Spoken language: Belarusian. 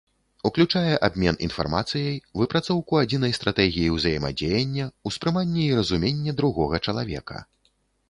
Уключае абмен інфармацыяй, выпрацоўку адзінай стратэгіі ўзаемадзеяння, успрыманне і разуменне другога чалавека.